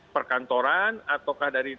perkantoran ataukah dari